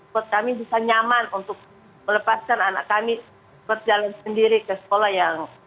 buat kami bisa nyaman untuk melepaskan anak kami berjalan sendiri ke sekolah yang